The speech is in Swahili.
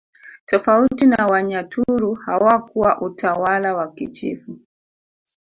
Tofauti na Wanyaturu hawakuwa utawala wa kichifu